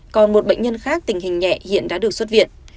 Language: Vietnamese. còn một bệnh nhân khác tình hình nhẹ hiện đã được xuất viện